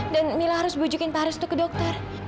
dan mila harus bujukin pak haris itu ke dokter